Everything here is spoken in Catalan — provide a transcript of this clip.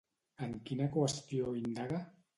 En quina qüestió indaga?